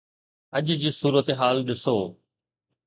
اڄ جي صورتحال ڏسو.